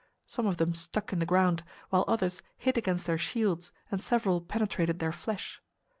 Some of them stuck in the ground, while others hit against their shields and several penetrated their flesh.